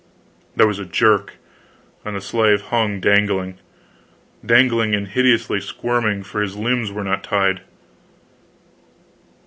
There was a jerk, and the slave hung dangling; dangling and hideously squirming, for his limbs were not tied.